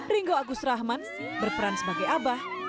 ringo agus rahman berperan sebagai abah